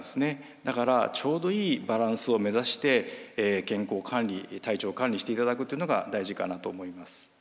だからちょうどいいバランスを目指して健康管理体調管理していただくというのが大事かなと思います。